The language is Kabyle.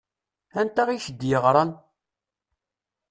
Anta i k-d-yeɣṛan?